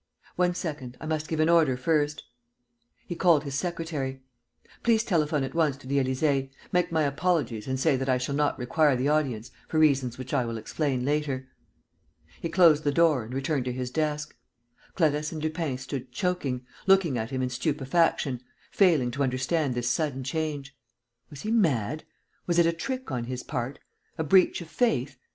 "One second.... I must give an order first." He called his secretary: "Please telephone at once to the Élysée, make my apologies and say that I shall not require the audience, for reasons which I will explain later." He closed the door and returned to his desk. Clarisse and Lupin stood choking, looking at him in stupefaction, failing to understand this sudden change. Was he mad? Was it a trick on his part? A breach of faith?